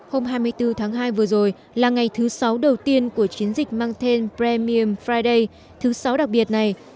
hôm hai mươi bốn tháng hai vừa rồi là ngày thứ sáu đầu tiên của chiến dịch mang tên bramir friday thứ sáu đặc biệt này